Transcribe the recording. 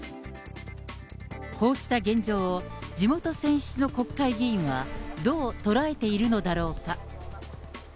こうした現状を、地元選出の国会議員は、どうとらえているのだろうか。